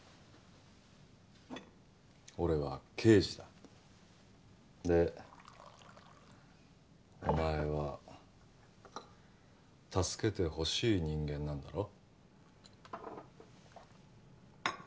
俺は刑事だでお前は助けてほしい人間なんだろ？